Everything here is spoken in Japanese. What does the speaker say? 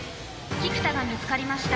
菊田が見つかりました。